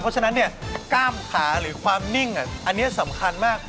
เพราะฉะนั้นกล้ามขาหรือความนิ่งอันนี้สำคัญมาก